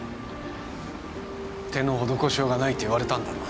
手の施しようがないって言われたんだろ